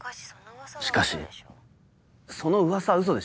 しかしその噂はウソでしょ？